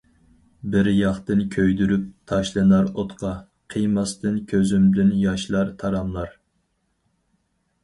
بىر ياقتىن كۆيدۈرۈپ تاشلىنار ئوتقا، قىيماستىن كۆزۈمدىن ياشلار تاراملار.